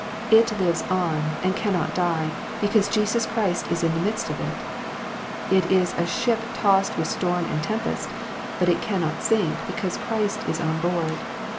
It lives on, and cannot die, because Jesus Christ is in the midst of it. It is a ship tossed with storm and tempest; but it cannot sink, because Christ is on board.